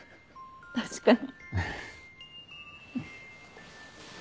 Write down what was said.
確かに。